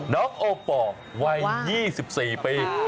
น้องโอปอลวัย๒๔ปี